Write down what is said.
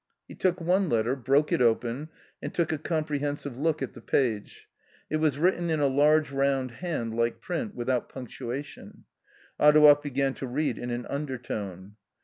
He took one letter, broke it open, and took a compre hensive look at the page. It was written in a large round hand like print, without punctuation, Adouev began to read in an undertone.